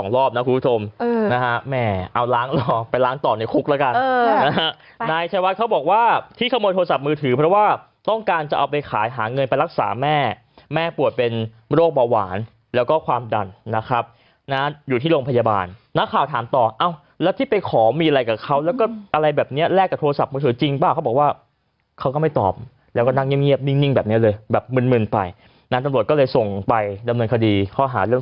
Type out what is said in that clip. รู้สมนะฮะแม่เอาล้างลองไปล้างต่อในคุกแล้วกันเออนะฮะนายชายวัดเขาบอกว่าที่ขโมยโทรศัพท์มือถือเพราะว่าต้องการจะเอาไปขายหาเงินไปรักษาแม่แม่ปวดเป็นโรคเบาหวานแล้วก็ความดันนะครับนะฮะอยู่ที่โรงพยาบาลนักข่าวถามต่อเอาแล้วที่ไปขอมีอะไรกับเขาแล้วก็อะไรแบบเนี้ยแลกกับโทรศัพท์มือถือ